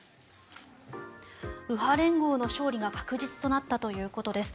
右派連合の勝利が確実となったということです。